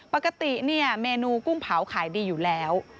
ปกติเนี่ยเมนูกุ้งเผาขายดีอยู่แล้ว